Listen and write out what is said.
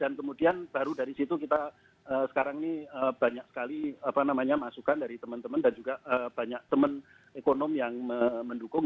dan kemudian baru dari situ kita sekarang ini banyak sekali masukan dari teman teman dan juga banyak teman ekonom yang mendukung